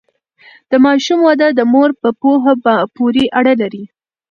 د ماشوم وده د مور په پوهه پورې اړه لري۔